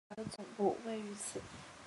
汽车公司马自达的总部位于此。